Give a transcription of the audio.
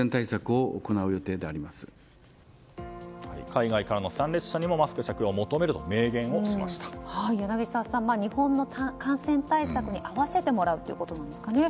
海外からの参列者にもマスク着用を求めると柳澤さん日本の感染対策に合わせてもらうということなんですかね。